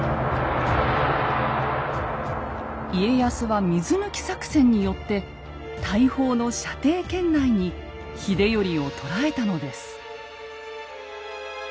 家康は水抜き作戦によって大砲の射程圏内に秀頼を捉えたのです。